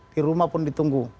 di rumah pun ditunggu